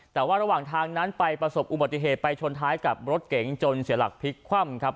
แต่ว่าระหว่างทางนั้นไปประสบอุบัติเหตุไปชนท้ายกับรถเก๋งจนเสียหลักพลิกคว่ำครับ